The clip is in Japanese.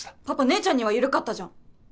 パパ姉ちゃんには緩かったじゃん。